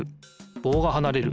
ぼうがはなれる。